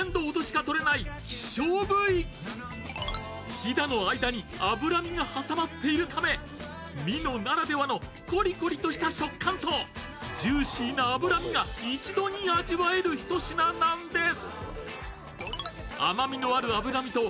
ひだの間に脂身が挟まっているため、ミノならではのコリコリとした食感とジューシーな脂身が一度に味わえるひと品なんです。